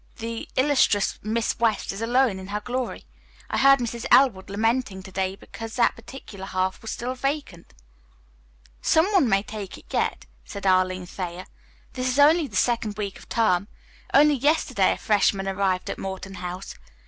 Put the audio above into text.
"The illustrious Miss West is alone in her glory. I heard Mrs. Elwood lamenting to day because that particular half was still vacant." "Some one may take it yet," said Arline Thayer. "This is only the second week of the term. Only yesterday a freshman arrived at Morton House.